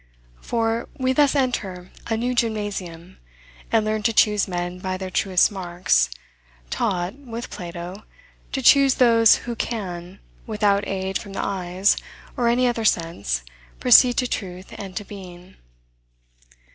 For, we thus enter a new gymnasium, and learn to choose men by their truest marks, taught, with Plato, "to choose those who can, without aid from the eyes, or any other sense, proceed to truth and to being."